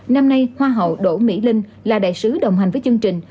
năm nay hoa hậu đỗ mỹ linh là đại sứ đồng hành với chương trình